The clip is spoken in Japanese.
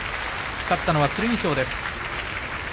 勝ったのは剣翔です。